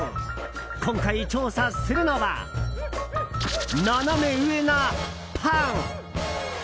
今回、調査するのはナナメ上なパン。